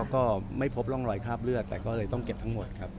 ก็ไม่พบร่องรอยคราบเลือดแต่ก็เลยต้องเก็บทั้งหมดครับ